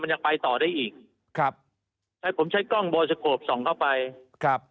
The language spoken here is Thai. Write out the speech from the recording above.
ยังไปต่อได้อีกครับให้ผมใช้กล้องบอยสโกปส่องเข้าไปครับ